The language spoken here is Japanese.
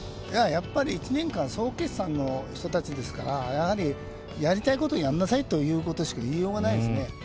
１年間、総決算の人たちですから、やりたいことをやりなさいということしか言えないですね。